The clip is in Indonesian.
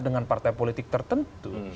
dengan partai politik tertentu